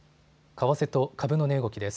為替と株の値動きです。